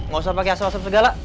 gak usah pakai asap asap segala